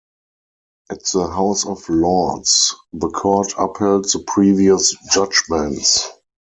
At the House of Lords, the Court upheld the previous judgments.